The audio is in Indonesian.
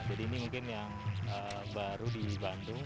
jadi ini mungkin yang baru di bandung